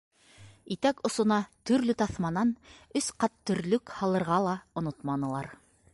Итәк осона төрлө таҫманан өс ҡат төрлөк һалырға ла онотманылар.